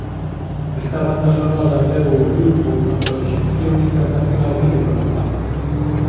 Esta banda sonora deu ao grupo a proxección internacional que lle faltaba.